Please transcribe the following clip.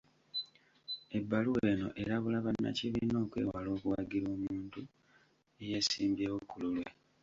Ebbaluwa eno erabula bannakibiina okwewala okuwagira omuntu eyeesimbyewo ku lulwe.